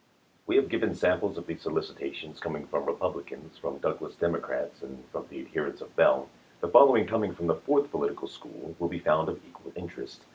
We have given samples of these solicitations coming from Republicans, from Douglas Demo 286 ABRAHAM LINCOLN ch. xviii. crats, and from the adherents of Bell ; the follow ing, coming from the fourth political school, will be found of equal interest.